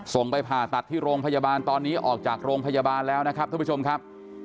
ไปผ่าตัดที่โรงพยาบาลตอนนี้ออกจากโรงพยาบาลแล้วนะครับท่านผู้ชมครับ